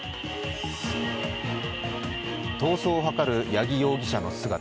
逃走を図る八木容疑者の姿。